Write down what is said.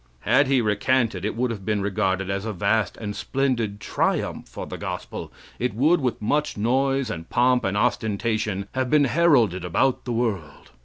Had he recanted, it would have been regarded as a vast and splendid triumph for the gospel. It would, with much noise and pomp and ostentation, have been heralded about the world.